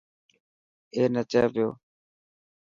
اي نچي پيو.